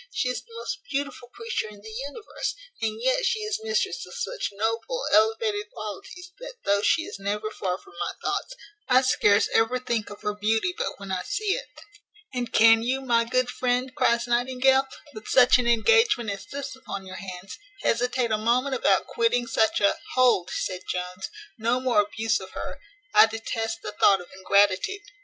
She is the most beautiful creature in the universe: and yet she is mistress of such noble elevated qualities, that, though she is never from my thoughts, I scarce ever think of her beauty but when I see it." "And can you, my good friend," cries Nightingale, "with such an engagement as this upon your hands, hesitate a moment about quitting such a " "Hold," said Jones, "no more abuse of her: I detest the thought of ingratitude."